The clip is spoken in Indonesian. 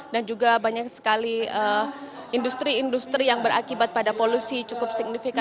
dan juga banyak sekali industri industri yang berakibat pada polusi cukup signifikan